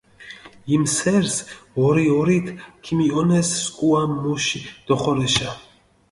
იმ სერს ორი-ორით ქიმიჸონეს სქუა მუში დოხორეშა.